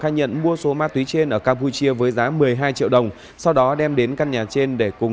khai nhận mua số ma túy trên ở campuchia với giá một mươi hai triệu đồng sau đó đem đến căn nhà trên để cùng